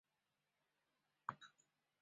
古赖亚特是阿曼马斯喀特附近的渔村。